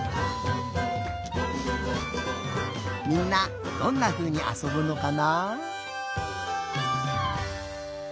みんなどんなふうにあそぶのかな？